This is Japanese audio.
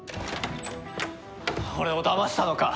俺をだましたのか！？